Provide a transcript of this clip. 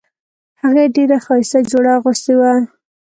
هغې ډیره ښایسته جوړه اغوستې وه